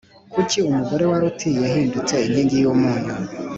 Kuki umugore wa loti yahindutse inkingi y umunyu